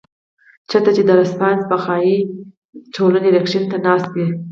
چرته چې د رسپانس پۀ ځائے ټولنه رېکشن ته ناسته وي